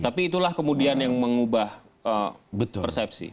tapi itulah kemudian yang mengubah persepsi